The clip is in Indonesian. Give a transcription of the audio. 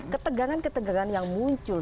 ketegangan ketegangan yang muncul